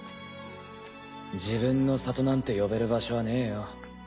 自分の里なんて呼べる場所はねえよ。